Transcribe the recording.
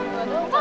gak ada apa apa